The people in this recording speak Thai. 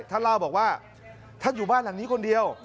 ท่านเล่าบอกว่าท่านอยู่บ้านหลังนี้คนเดียว